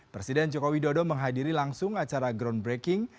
presiden jokowi dodo menghadiri langsung acara groundbreaking